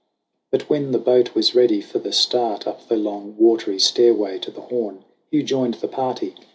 But when the boat was ready for the start Up the long watery stairway to the Horn, Hugh joined the party.